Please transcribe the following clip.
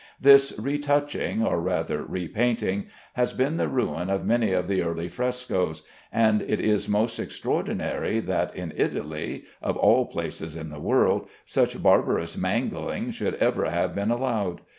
This retouching, or rather repainting, has been the ruin of many of the early frescoes, and it is most extraordinary that in Italy (of all places in the world) such barbarous mangling should ever have been allowed.